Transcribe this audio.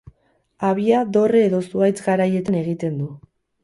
Habia dorre edo zuhaitz garaietan egiten du.